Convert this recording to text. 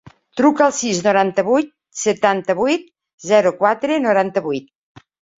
Truca al sis, noranta-vuit, setanta-vuit, zero, quatre, noranta-vuit.